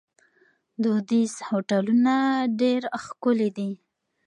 دودیز هوټلونه ډیر ښکلي دي.